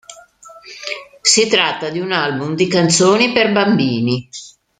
Si tratta di un album di canzoni per bambini.